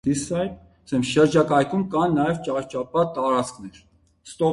Շրջակայքում կան նաև ճահճապատ տարածքներ։